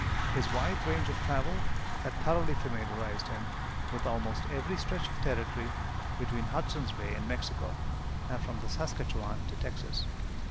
His wide range of travel had thoroughly familiarized him with almost every stretch of territory between Hudson's Bay and Mexico, and from the Saskatchewan to Texas.